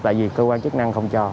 tại vì cơ quan chức năng không cho